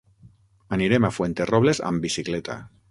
Anirem a Fuenterrobles amb bicicleta.